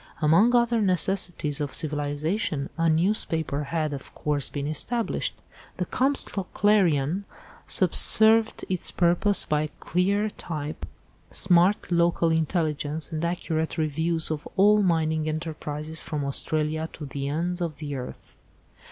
Among other necessities of civilisation, a newspaper had, of course, been established. The Comstock Clarion subserved its purpose by clean type, smart local intelligence, and accurate reviews of all mining enterprises from Australia to the ends of the earth.